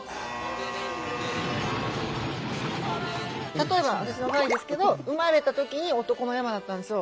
例えば私の場合ですけど生まれた時に男の山だったんですよ。